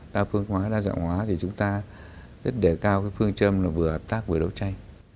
đa phương hóa đa dạng hóa thì chúng ta rất đề cao cái phương châm là vừa hợp tác vừa đấu tranh